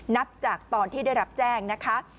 นับจากตอนที่ได้รับแจ้งนะคะ